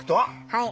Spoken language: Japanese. はい。